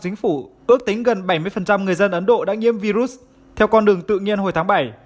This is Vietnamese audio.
chính phủ ước tính gần bảy mươi người dân ấn độ đã nhiễm virus theo con đường tự nhiên hồi tháng bảy